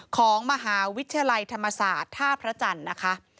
ของมหาวิทยาลัยธรรมศาสตร์ท่าพระจันทร์นะคะ